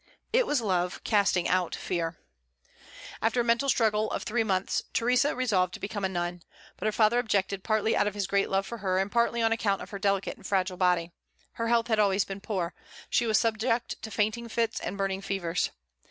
It was love casting out fear. After a mental struggle of three months, Theresa resolved to become a nun. But her father objected, partly out of his great love for her, and partly on account of her delicate and fragile body. Her health had always been poor: she was subject to fainting fits and burning fevers.